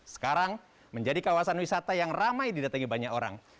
sekarang menjadi kawasan wisata yang ramai didatangi banyak orang